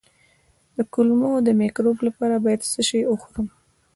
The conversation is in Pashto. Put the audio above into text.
د کولمو د مکروب لپاره باید څه شی وخورم؟